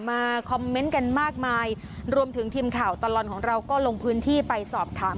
มาคอมเมนต์กันมากมายรวมถึงทีมข่าวตลอดของเราก็ลงพื้นที่ไปสอบถาม